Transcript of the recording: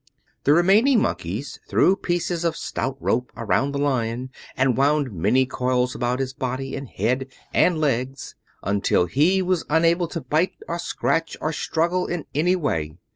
The remaining Monkeys threw pieces of stout rope around the Lion and wound many coils about his body and head and legs, until he was unable to bite or scratch or struggle in any way.